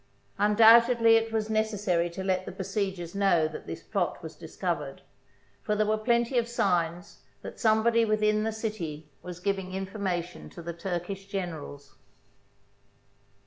Undoubtedly it was necessary to let the besiegers know that this plot was discovered, for there were plenty of signs that somebody within THE BOOK OF FAMOUS SIEGES the city was giving information to the Turkish generals.